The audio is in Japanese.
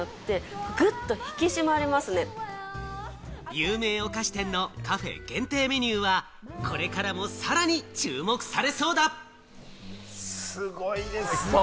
有名お菓子店のカフェ限定メニューはこれからもさらに注目されそうだ！